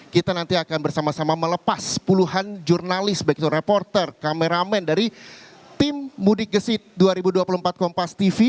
kita nanti akan bersama sama melepas puluhan jurnalis baik itu reporter kameramen dari tim mudik gesit dua ribu dua puluh empat kompas tv